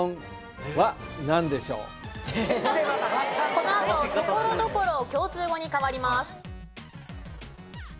このあとところどころ共通語に変わります。